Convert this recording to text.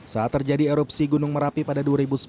saat terjadi erupsi gunung merapi pada dua ribu sepuluh